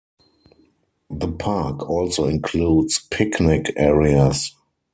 The park also includes picnic areas.